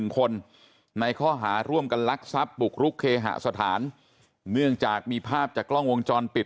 ๑คนในข้อหาร่วมกันลักทรัพย์บุกรุกเคหสถานเนื่องจากมีภาพจากกล้องวงจรปิด